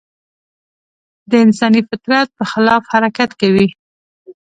د انساني فطرت په خلاف حرکت کوي.